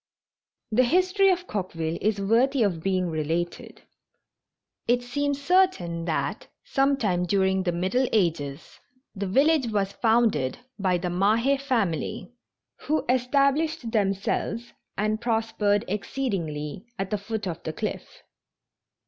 The history of Coqueville is worthy of being related. It seems certain that, some time during the Middle Ages, the village was founded by the Mahe family who estab lished themselves and prospered exceedingly at the foot of the cliff.